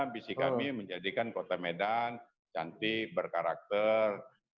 visi kami menjadikan kota medan cantik berkarakter